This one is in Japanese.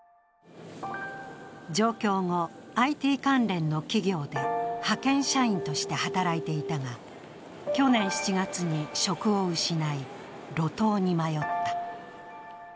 上京後、ＩＴ関連の企業で派遣社員として働いていたが去年７月に職を失い路頭に迷った。